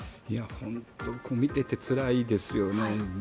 本当に見ててつらいですよね。